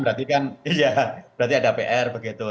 berarti kan berarti ada pr begitu